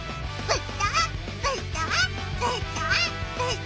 はい。